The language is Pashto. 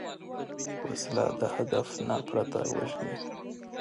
وسله د هدف نه پرته وژني